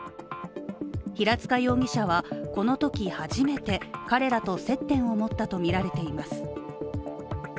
平塚容疑者はこのとき初めて彼らと接点を持ったとみられています。